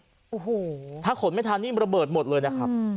โอ้โหถ้าขนไม่ทันนี่มันระเบิดหมดเลยนะครับ